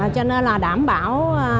cho nên là đảm bảo